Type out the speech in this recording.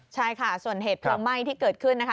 ใช่ค่ะส่วนเหตุเพลิงไหม้ที่เกิดขึ้นนะคะ